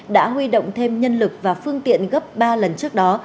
đã huy động thêm nhân lực và phương tiện gấp ba lần trước đó